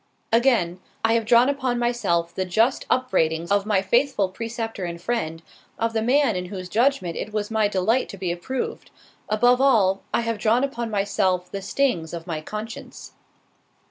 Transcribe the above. Again—"I have drawn upon myself the just upbraidings of my faithful preceptor and friend; of the man in whose judgment it was my delight to be approved—above all, I have drawn upon myself the stings of my conscience."